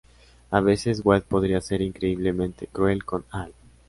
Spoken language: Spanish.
A veces Wade podría ser increíblemente cruel con Al.